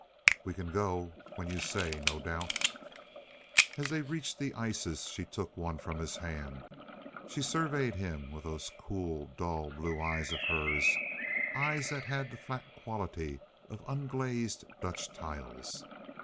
"We can go when you say, no doubt." As they reached the ices, and she took one from his hand, she surveyed him with those cool, dull blue eyes of hers—eyes that had the flat quality of unglazed Dutch tiles.